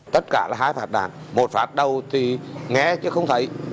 tất cả là hai phát đạn một phát đầu thì nghe chứ không thấy